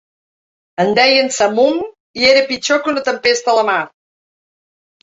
En deien samum i era pitjor que una tempesta a la mar.